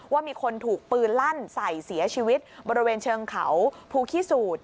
ว่ามีคนถูกปืนลั่นใส่เสียชีวิตบริเวณเชิงเขาภูขี้สูตร